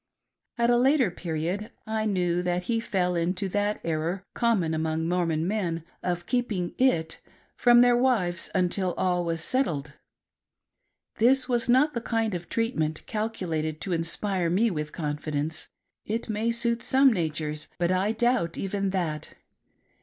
At a later period, I knew that he fell iato that error, common among Mormon men, of keeping "it" from their wives until all was settled. This was not the kind of treatment calculated to inspire me with confidence ; it may suit some natures, but I doubt even that.